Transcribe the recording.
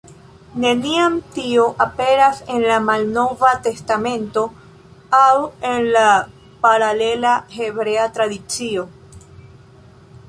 Neniam tio aperas en la Malnova Testamento aŭ en la paralela hebrea tradicio.